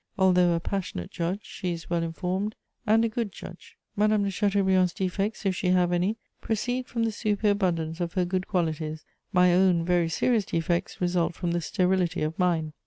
Although a passionate judge, she is well informed and a good judge. Madame de Chateaubriand's defects, if she have any, proceed from the superabundance of her good qualities; my own very serious defects result from the sterility of mine.